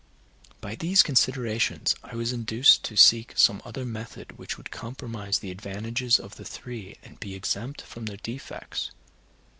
By these considerations I was induced to seek some other method which would comprise the advantages of the three and be exempt from their defects.